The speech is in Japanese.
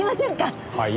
はい？